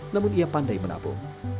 namun ia pandai menabung